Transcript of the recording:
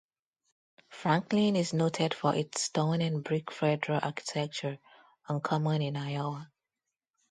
Franklin is noted for its stone and brick Federal architecture, uncommon in Iowa.